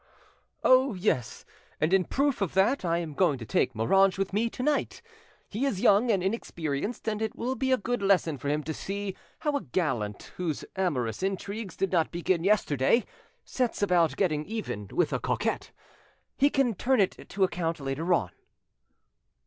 "Oh yes, and in proof of that I am going to take Moranges with me to night. He is young and inexperienced, and it will be a good lesson for him to see how a gallant whose amorous intrigues did not begin yesterday sets about getting even with a coquette. He can turn it to account later on.